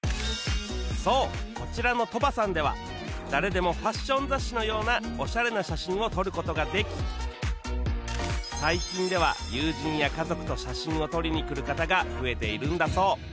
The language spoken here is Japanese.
そうこちらの ＴＴＯＢＡ さんでは誰でもファッション雑誌のようなオシャレな写真を撮る事ができ最近では友人や家族と写真を撮りに来る方が増えているんだそう